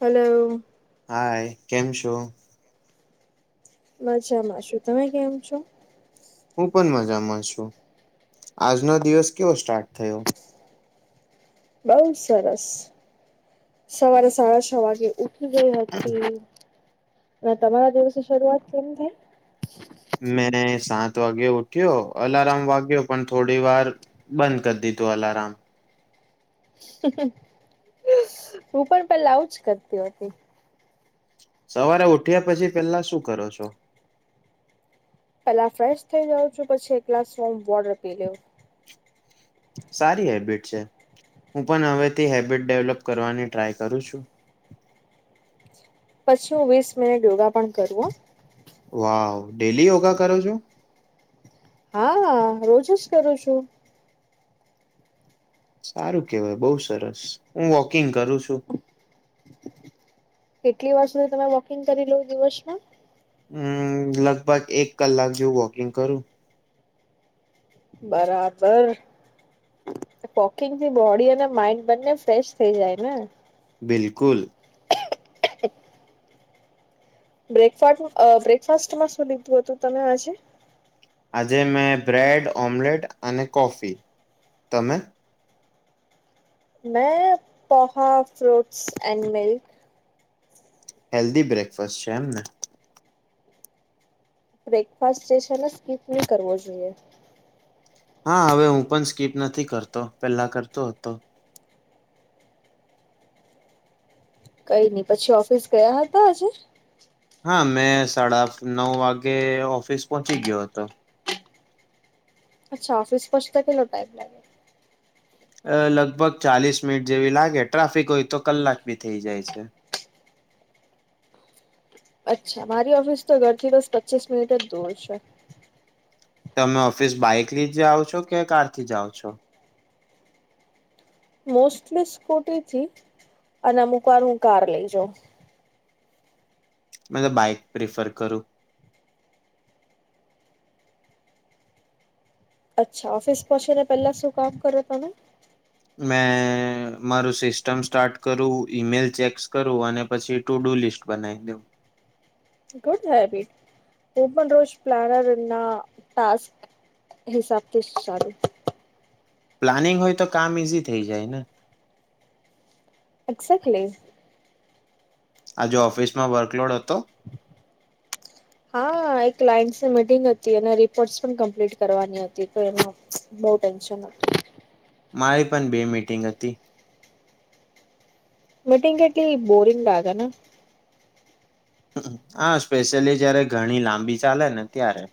Hello. Hi કેમ છો? મજામાં છું. તમે કેમ છો? હું પણ મજામાં છું આજનો દિવસ કેવો સ્ટાર્ટ થયો. બઉ સરસ સવારે સાડા છ વાગે ઉઠ ઠી ગઈ હતી અને તમારા દિવસની શરૂઆત કેમ થઈ. મેંરે સાત વાગે ઉઠ્યો અલારામ વાગ્યો પણ થોડી વાર બંધ કરી દીધું અલારામ. હું પણ પેલા આવુંજ કરતી હોતી. સવારે ઉઠ્યા પછી પેલા શું કરો છો? પેલા ફ્રેશ થઇ જાઉં છું પછી એક ગ્લાસ વોર્મ વોટર પી લેવ. સારી હેબિટ છે હું પણ હવેથી હેબિટ ડેવલપ કરવાની ટ્રાય કરું છું. પછી હું વીસ મિનિટ યોગા પણ કરું હો. વાઉ! ડેલી યોગા કરો છો? હા હા રોજ જ કરું છું. સારું કેવાય બઉ સરસ હું વોકિંગ કરું છું. કેટલી વાર સુધી તમે વોકિંગ કરી લો દિવસમાં. હમ લગભગ એક કલાક જેવું વોકિંગ કરું. બરાબર. વકિંગ થી બોડી અને માઈન્ડ બંને ફ્રેશ થઈ જાય ને. બિલકુલ. [unintelligible] બ્રેકફાટનું અ બ્રેકફાસ્ટમાં શું લીધું હતું તમે આજે. આજે મેં બ્રેડ, ઓમ્લેટ અને કોફી તમે? મેં poha fruits and milk. Healthy breakfast છે એમ ને. બ્રેકફાસ્ટ જે છે ને સ્કીપ નહી કરવો જોઈએ. હા હવે હું પન સ્કીપ નથી કરતો પેલા કરતો હતો. કઈ નઈ પછી ઓફિસ ગયા હતા આજે. હા મેં સાડા નવ વાગે ઓફિસ પહોંચી ગ્યો હતો. અચ્છા ઓફિસ પોછતા કેટલો ટાઈમ લાગે. અ લગભગ ચાલીસ મિનિટ જેવી લાગે ટ્રાફિક હોય તો કલાક બી થઇ જાય છે. અચ્છા મારી ઓફિસ તો ઘરથી બસ પચીસ મિનિટ જ દૂર છે. તમે ઓફિસ બાઈક લથી જાઓ છો કે કાર થી જાઓ છો? મોસ્ટલી સ્કૂટી થી, અને અમુક વાર હું કાર લઈ જા. મે તો બાઈક પ્રિફર કરું. અચ્છા ઓફિસ પહોંચી ને પેલા શું કામ કરો તમે? મેં મારું સિસ્ટમ સ્ટાર્ટ કરું ઈમેલ ચેક્સ કરું અને પછી ટુ ડુ લિસ્ટ બનાવી દેવ. ગુડ હેબિટ, હું પણ રોજ પ્લાનર ના ટ હિસાબથી સારું. પ્લાનિંગ હોય તો કામ ઈઝી થઈ જાય ને. અસર ખલી [unintelligible] આજ ઓફિસમાં વર્કલોડ હતો? હા એક ક્લાયન્ટની મિટિંગ હતી અને રિપોર્ટ પણ કમ્પ્લીટ કરવાની હતી તો એમાં બો ટેન્શન હતું. મારી પણ બે મીટિંગ હતી. મીટિંગ કેટલી બોરિંગ લાગે ને? હા સ્પેશિયલી જયારે ઘણી લાંબી ચાલે ને ત્યારે.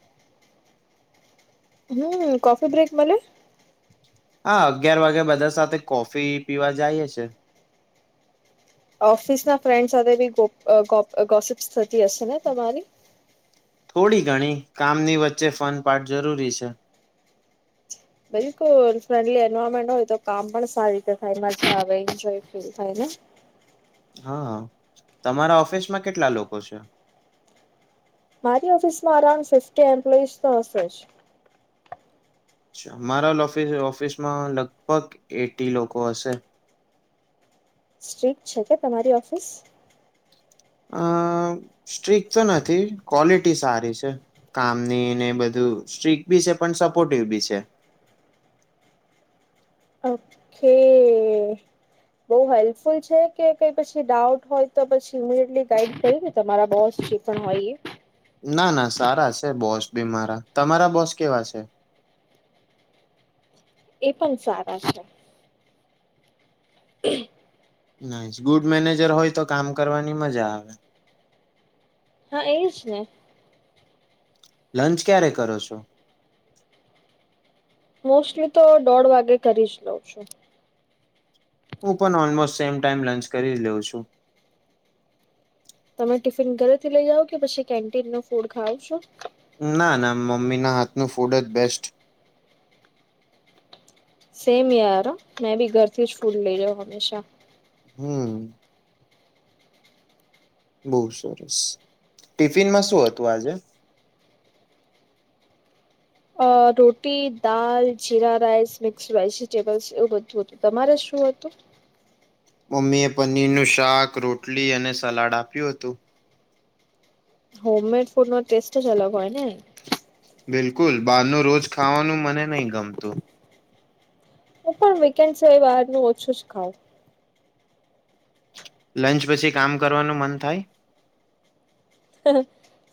હમ્ કફી બ્રેક મલે? હા અગિયાર વાગે બધા સાથે કોફી પીવા જઈ છે. ઓફિસના ફ્રેન્ડ સાથે બી ગોફિક થતી હશે ને તમારી? થોડી ઘણી કામની વચ્ચે ફન પાટ જરૂરી છે. બિલકુલ ફ્રેન્ડલી એન્વાયરમેન્ટ હોય તો કામ પણ સારી છે થાય મજા આવે એજોય ફલ થાય ને? હા તમારા ઓફિસમાં કેટલા લોકો છે? મારી ઓફિસમાં અરાઉન્ડ ફિફી એમ્પ્લોઈઝ તો હશે જ. અચ્છા મારાિસ ઓફિસમાં લગભગ એટી લોકો હશે. સ્ટ્રીટ છે કે તમારી ઓફિસ? અ સ્ટ્રીક તો નથી ક્વોલિટી સારી છે. કામની ને બધું સ્ટ્રીક બી છે પણ સપોર્ટિવ બી છે. ઓકે. બઉુ હેલ્પફુલ છે કે કઈ પછી ડાઉટ હોય તો પછી ઇમીડિયટલી ગાઈડ કરી ને તમારા બોસી હોઈએ? ના ના સારા છે બોસ બી મારા તમારા બોસ કેવા છે? એ પણ સારા છે. [unintelligible] નહી ગુડ મેનેજર હોય તો કામ કરવાની મજા આવે. હા એજ ને. લંચ ક્યારે કરો છો? મોસ્ટલી તો દોઢ વાગે કરી જ લઉં છું. હું પણ ઓલમોસ્ટ સેમ ટાઈમ લંચ કરી જ લઉં છું. તમે ટિફિન ઘરેથી લઈ જાઓ કે પછી કેન્ટીન ન ફૂડ ખાવ છો? ના ના મમ્મી ના હાથનું ફૂડ જ બેસ્ટ. સેમ યાર મેં ભી ઘરથી જ ફૂડ લઈ જાાવ હમેશા. હમ્મ. બહુ સરસ, ટિફિનમાં શું હતું આજે? અ રોટી દાલ જીરા રાઈસ મિક્સ વેજીિટેબલ્સ એવું બધું હતું તમારે શું હતું? મમ્મી એ પનીરનુંશાક રોટલી અને સલાડ આપ્યું હતું. હોમમેડ ફૂડ નો ટેસ્ટ જ અલગ હોય ને. બિલકુલ બહાર ન રોજ ખાવાનું મને નહી ગમતું. હું પણ વીકેન્ડ છે એ બહાર ન ઓછું જ ખાઉ. લંચ પછી કામ કરવાનું મન થાય?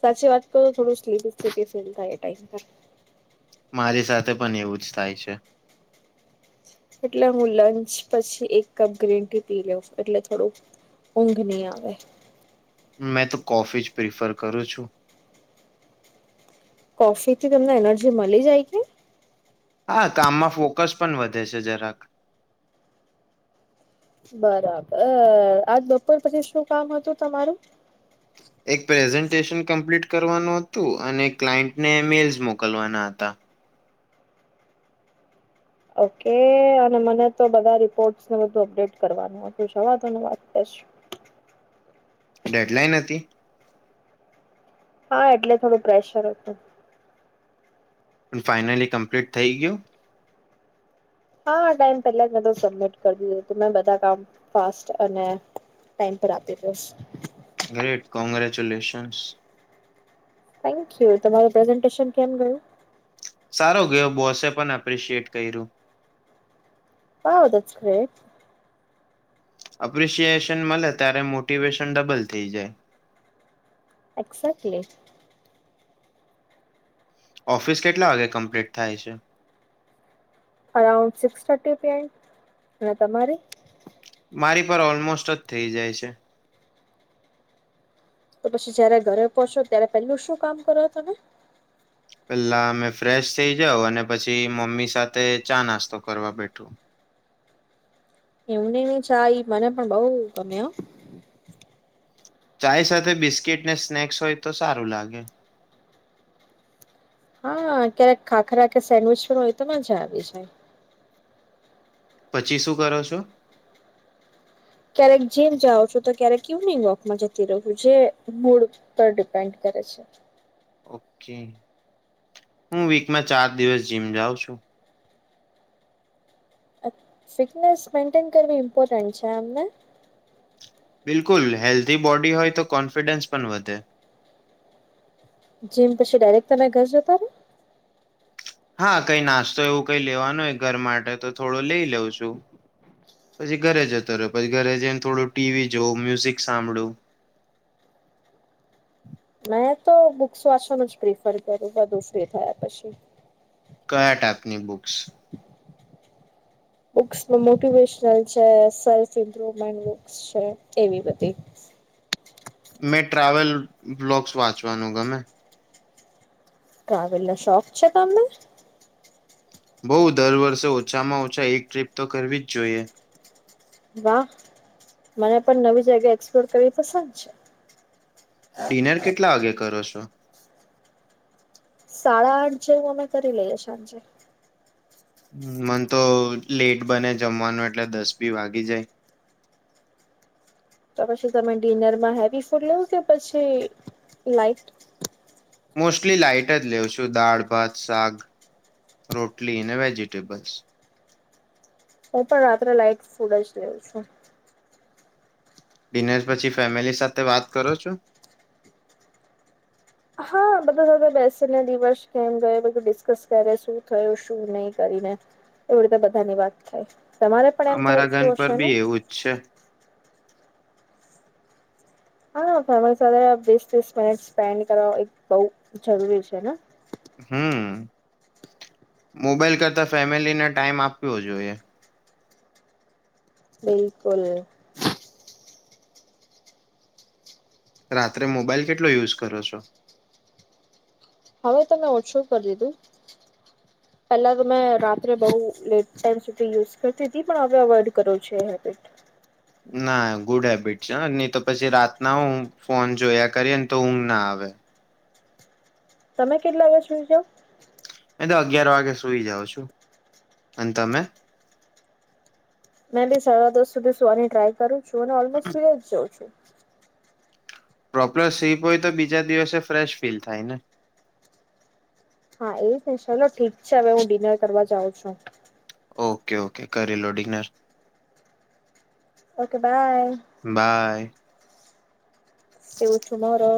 સાચી વાત તો થોડું સ્લીપી સ્લીપી ફીલ થ એ ટાઈમ પર. મારી સાથે પણ એવું જ થાય છે. એટલે હું લંચ પછી એક કપ ગ્રીન ટી પી લઉ એટલે થોડુંક ઊઘ ની આવે. મેં તો કોફી જ પ્રિફર કરું છું. કોફી થી તમને એનર્જી મળી જાય કે? હા કામમાં ફોકસ પણ વધે છે જરાક. બરાબર આજ બપોર પછી શું કામ હતું તમારું. એક પ્રેઝન્ટેશન કમ્પ્લીટ કરવાનું હતું અને ક્લાયન્ટને મેલ્સ મોકલવાના હતા. ઓકે અને મને તો બધા રિપોર્ટસને બધું અપડેટ કરવાનું. [unintelligible] વાત કરીશું. ડેડલાઈન હતી? હા એટલે થોડું પ્રેશર હતું. પણ ફાઈનલી કમ્પ્લીટ થઈ ગયું? હા ટાઈમ પહેલા જ મેં તો સબમિટ કરી દીધું તું મેં બધા કામ ફાસ્ટ અને ટાઈમ પર આવતી. Great congratulations. થેન્કયુ તમારું પ્રેઝન્ટેશન કેમ ગયું? સારો ગયો બોસે પણ એપ્રિશિએટ કર્યું. હા ધેટ ગ્રેટ. એપ્રિશિએશન મળે ત્યારે મોટિવેશન ડબલ થઈ જાય. એક્સેેક્ટલી. ઓફિસ કેટલા વાગે કમ્પ્લીટ થાય છે? Around six thirty P M, અને તમારી? મારી પર ઓલમોસ્ટ જ થઈ જાય છે. તો પછી જયારે ઘરે પહોંચો ત્યારે પેલું શું કામ કરો તમે? પેલા અમે ફ્રેશ થઇ જાવ અને પછી મમ્મી સાથે ચા નાસ્તો કરવા બેઠું. એમને ન ચાય મને પણ બઉ ગમે હ. ચાય સાથે બિસ્કીટ ને સ્નેક્સ હોય તો સારું લાગે. હા ક્યારેક ખાખરા કે સેન્ડવીચ પણ હોય તો મજા આવી જાય. પછી શું કરો છો? ક્યારેક જીમ જાઓ છો તો ક્યારેક કયુમીગ વોકમાં જતી રહ છું, જે મૂળ પર ડિપેન્ડ કરે છે. ઓકે, હું વીકમાં ચાર દિવસ જીમ જાઉં છું. ફીટનેસ મેન્ટેન કરવી ઇમ્પોર્ટન્ટ છે આમ. બિલકુલ હેલ્ધી બોડી હોય તો કોન્ફિડન્સ પણ વધે. જીમ પછી ડાયરેક્ટ તમે ઘર જતા હો? હા કઈ નાસ્તો એવું કઈ લેવાનો હોય ઘર માટે તો થોડો લઈ લઉં છું. પછી ઘરે જતો રહો પછી ઘરે જઈને થોડું ટીવી જોવું મ્યુઝિક સાંભળું. મેં તો બુક્સ વાંચનું જ પ્રિફર કરું બધું ફ્રી થયા પછી. કયા ટાઈપની બુક્સ છે? બુક્સ ની મોટિવેશનલ છે સેલ્ફ ઇમ્પ્રુવમેન્ટ બુક્સ છે એવી બધી. મેં ટ્રાવેલ બ્લોક્સ વાંચવાનું ગમે. ટ્રાવેલ નો શોખ છે તમને? બવ દર વર્ષે ઓછામાં ઓછા એક ટ્રીપ તો કરવી જ જોઈએ. વાહ મને પણ નવી જગ્યા એક્સપ્લોર કરવી પસંદ છે. ડિનર કેટલા વાગે કરો છો? સાડા આઠ જેવું અમે કરી લઈએ સાંજે. હ મન તો લેટ બને જમવાનું એટલે દસ બી વાગી જાય. તો પછી તમે ડિનરમાં હેવી ફૂડ લેવ કે પછી લાઈટ? મોસ્ટલી લાઈટ જ લેઉ છું દાળ ભાત શાક. રોટલી અને વેજીિટેબલ્સ. હું પણ રાત્રે લાઈટ ફૂડ જ લેઉ છું. ડિનર પછી ફેમિલી સાથે વાત કરો છો? હા બધા સાથે બેસીને દિવસ કેમ ગયો ડિસ્કસ કરે શું થયું શું નહી કરીને. એવી રીતે બધાની વાત થાય, તમારે પણ એમ અમારા થાય ઘર તું પર હશે ને? બી એવું છે. હા ફેમિલી સાથે વીસ ત્રીસ મિનિટ સ્પેન્ડ કરવા એક બઉ જરૂરી છે ને. હમ, મોબાઈલ કરતા ફેમિલીને ટાઈમ આપવ જોઈએ. બિલકુલ. રાત્રે મોબાઈલ કેટલો યુઝ કરો છો? હવે તમે ઓટ શું કરી દીધું. પહેલા તો મેં રાત્રે બહુ લેટ ટાઈમ સુધી યુઝ કરતી હતી પણ હવે અવોઈડ કરો છ હેબિટ. ના ગુડ હેબિટ છે નહી તો પછી રાતના હું ફોન જોયા કરીએ ને તો ઊમ ના આવે. તમે કેટલા વાગ સુજ? એ તો અગિયાર વાગે સુઈ જાવ છું, અને તમે? મે બી સાડા દસ સુધી સુવાની ટ્રાય કરું છું અને ઓલમોસ્ટ સુઈ જ જાઉં છું. પ્રોપર સ્લીપ હોય તો બીજા દિવસે ફ્રેશ ફીલ થાય ને. હા એ છે ચલો ઠીક છે હવે હું ડિનર કરવા જાઉં છું. ઓકે ઓકે કરી લો ડિનર. Okay bye. બાય. સવ છું મરો.